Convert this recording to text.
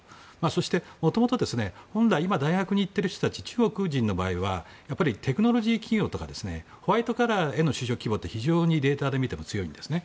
そして、もともと本来今、大学に行っている人たち中国人の場合はテクノロジー企業とかホワイトカラーへの就職企業ってデータで見ても強いんですね。